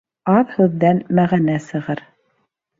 Аҙ һүҙҙән мәғәнә сығыр